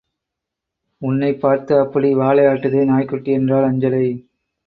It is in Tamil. உன்னைப் பார்த்து அப்படி வாலை ஆட்டுதே நாய்க்குட்டி? என்றாள் அஞ்சலை.